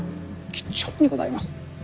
吉兆にございます。